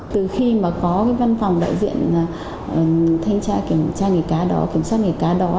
từ khi mà có cái văn phòng đại diện thanh tra kiểm tra nghề cá đó kiểm soát nghề cá đó